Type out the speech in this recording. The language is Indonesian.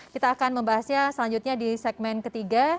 kita akan membahasnya selanjutnya di segmen ketiga